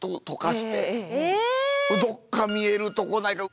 どっか見えるとこないか。